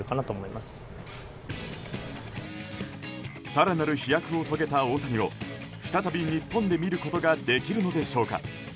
更なる飛躍を遂げた大谷を再び日本で見ることができるのでしょうか。